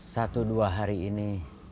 satu dua hari ini